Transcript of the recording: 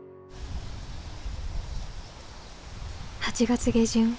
８月下旬。